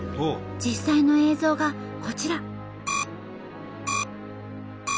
実際の映像がこちら。